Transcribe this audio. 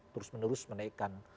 terus menerus menaikkan